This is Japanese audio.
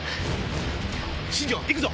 新條行くぞ！